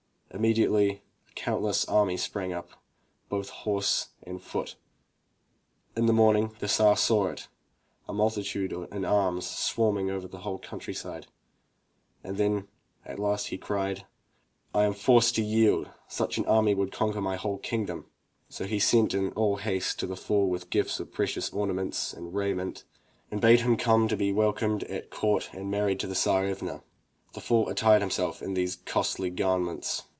Immediately a countless army sprang up, both horse and foot. In the morning the Tsar saw it, a multitude in arms, swarming over his whole country side, and then at last he cried: "I am forced to yield; such an army as this could conquer my whole kingdom!'* So he sent in all haste to the fool with gifts of precious orna ments and raiment, and bade him come to be welcomed at court and married to the Tsarevna. The fool attired himself in these costly garments.